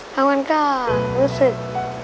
บางวันก็รู้สึก